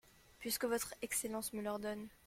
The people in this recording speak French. Puisque Votre Excellence me l'ordonne.